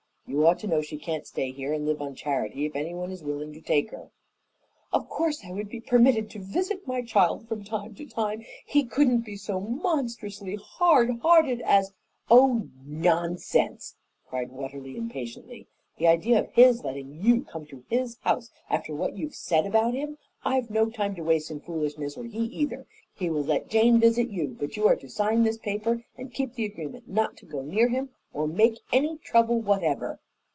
You ought to know she can't stay here and live on charity if anyone is willing to take her." "Of course I would be permitted to visit my child from time to time? He couldn't be so monstrously hard hearted as " "Oh, nonsense!" cried Watterly impatiently. "The idea of his letting you come to his house after what you've said about him! I've no time to waste in foolishness, or he either. He will let Jane visit you, but you are to sign this paper and keep the agreement not to go near him or make any trouble whatever."